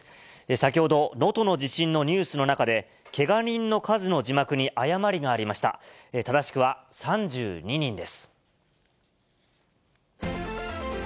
先ほど、能登の地震のニュースの中で、けが人の数の字幕に誤りがありま三井アウトレットパーク！で！